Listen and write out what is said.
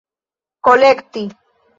kolekti